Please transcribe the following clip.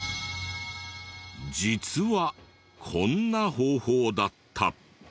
実はこんな方法だった。